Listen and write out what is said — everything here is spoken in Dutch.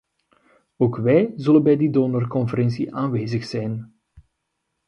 Ook wij zullen bij die donorconferentie aanwezig zijn.